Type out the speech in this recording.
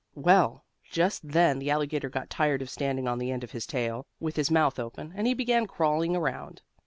Well, just then the alligator got tired of standing on the end of his tail, with his mouth open, and he began crawling around.